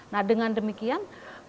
nah dengan demikian